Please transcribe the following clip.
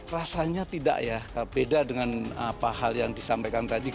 rasanya tidak ya beda dengan apa hal yang disampaikan tadi